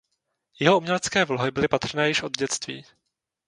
Jeho umělecké vlohy byly patrné již od dětství.